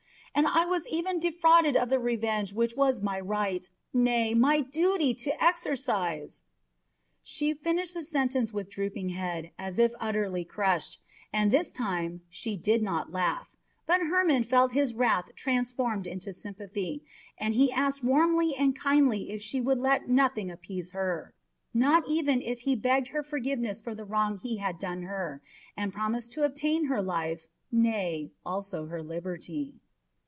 And I was even defrauded of the revenge which it was my right, nay, my duty, to exercise." She finished the sentence with drooping head, as if utterly crushed, and this time she did not laugh, but Hermon felt his wrath transformed to sympathy, and he asked warmly and kindly if she would let nothing appease her, not even if he begged her forgiveness for the wrong he had done her, and promised to obtain her life, nay, also her liberty.